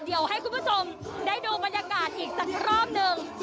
เดี๋ยวให้คุณผู้ชมได้ดูบรรยากาศอีกสักรอบหนึ่ง